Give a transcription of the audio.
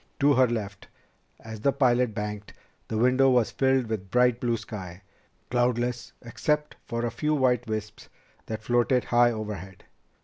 To her left, as the pilot banked, the window was filled with bright blue sky, cloudless except for a few white wisps that floated high overhead.